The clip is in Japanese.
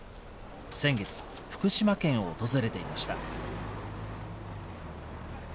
先月、福島県を訪れていました。